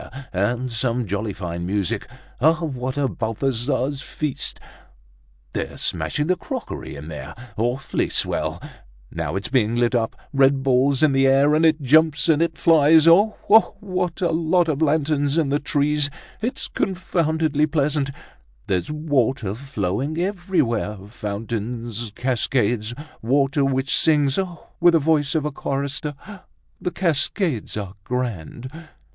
And some jolly fine music! What a Balthazar's feast! They're smashing the crockery in there. Awfully swell! Now it's being lit up; red balls in the air, and it jumps, and it flies! Oh! oh! what a lot of lanterns in the trees! It's confoundedly pleasant! There's water flowing everywhere, fountains, cascades, water which sings, oh! with the voice of a chorister. The cascades are grand!"